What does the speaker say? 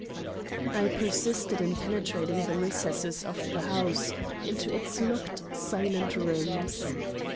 I persisted in penetrating the recesses of the house, into its locked silent rooms.